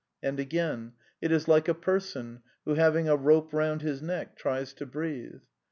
And again, ^' it is like a person, who, having a rope round his neck tries to breathe."